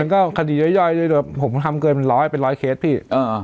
มันก็คดีย้อยย้อยเลยเดี๋ยวผมทำเกินเป็นร้อยเป็นร้อยเคสพี่อ่า